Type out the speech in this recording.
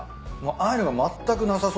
ああいうのがまったくなさそうっすね